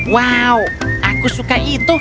wow aku suka itu